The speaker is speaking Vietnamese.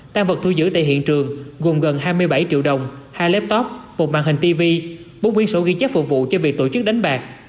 tăng vật thu giữ tại hiện trường gồm gần hai mươi bảy triệu đồng hai laptop một màn hình tv bốn quyển sổ ghi chép phục vụ cho việc tổ chức đánh bạc